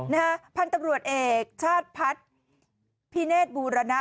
นะฮะพันธุ์ตำรวจเอกชาติพัฒน์พิเนธบูรณะ